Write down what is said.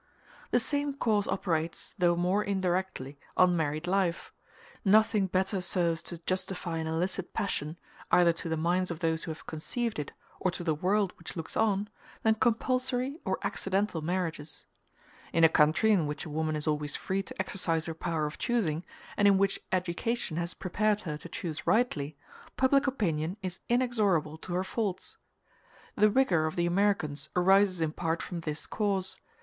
The same cause operates, though more indirectly, on married life. Nothing better serves to justify an illicit passion, either to the minds of those who have conceived it or to the world which looks on, than compulsory or accidental marriages. *b In a country in which a woman is always free to exercise her power of choosing, and in which education has prepared her to choose rightly, public opinion is inexorable to her faults. The rigor of the Americans arises in part from this cause.